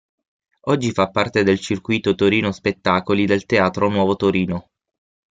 Oggi fa parte del circuito Torino Spettacoli del Teatro Nuovo Torino.